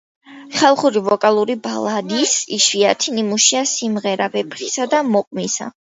ხალხური ვოკალური ბალადის იშვიათი ნიმუშია „სიმღერა ვეფხისა და მოყმისა“.